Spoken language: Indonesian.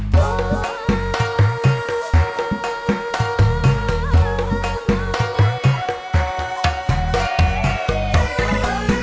terima kasih terima kasih terima kasih